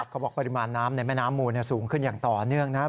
ปริมาณน้ำในแม่น้ำมูลสูงขึ้นอย่างต่อเนื่องนะครับ